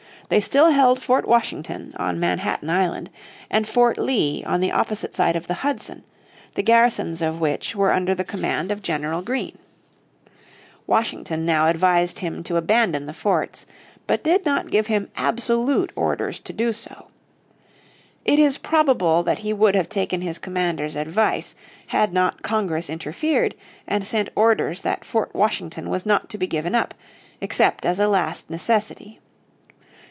They still held Fort Washington on Manhattan Island, and Fort Lee on the opposite side of the Hudson, the garrisons of which were under the command of General Greene. Washington now advised him to abandon the forts, but did not give him absolute orders to do so. It is probably that he would have taken his commander's advice had not Congress interfered and sent orders that Fort Washington was not to be given up, except as a last necessity.